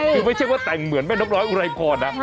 คือไม่ใช่ว่าแต่งเหมือนแม่นกน้อยอุรัยพอร์ตนะ